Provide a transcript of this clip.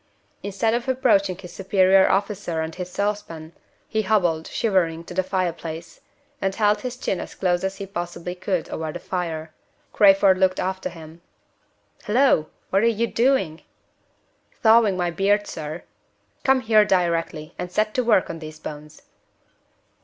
Instead of approaching his superior officer and his saucepan, he hobbled, shivering, to the fire place, and held his chin as close as he possibly could over the fire. Crayford looked after him. "Halloo! what are you doing there?" "Thawing my beard, sir." "Come here directly, and set to work on these bones."